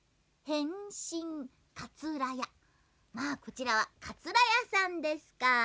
こちらはかつらやさんですか。